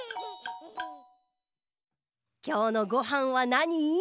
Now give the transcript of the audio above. きょうのごはんはなに？